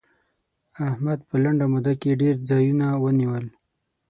احمد په لنډه موده کې ډېر ځايونه ونيول.